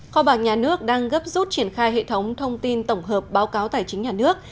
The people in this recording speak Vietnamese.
kho bạc nhà nước đang gấp rút triển khai hệ thống thông tin tổng hợp báo cáo tài chính nhà nước